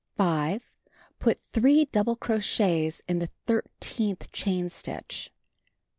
5. Put 3 double crochets in the thirteenth chain stitch.